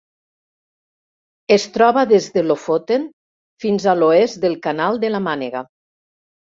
Es troba des de Lofoten fins a l'oest del Canal de la Mànega.